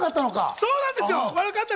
そうなんですよ。